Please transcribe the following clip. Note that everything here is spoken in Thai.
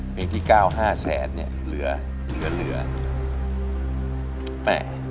เพลงที่๙๕แสนเนี่ย